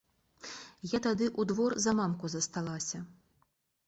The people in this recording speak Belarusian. Я тады ў двор за мамку засталася.